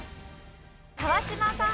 川島さん。